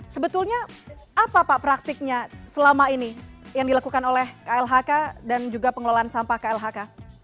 sebetulnya apa pak praktiknya selama ini yang dilakukan oleh klhk dan juga pengelolaan sampah klhk